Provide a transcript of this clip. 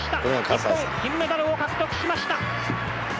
日本金メダルを獲得しました！